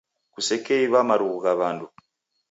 Kusekeiw'a marughu gha w'andu